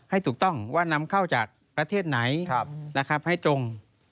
ให้ถูกต้องว่านำเข้าจากประเทศไหนนะครับให้ตรง